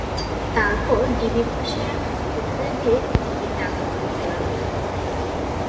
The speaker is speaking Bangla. তার পরে ঢিবির পাশে রাখা কুঠার দিয়ে ঢিবিকে আঘাত করতে লাগলেন।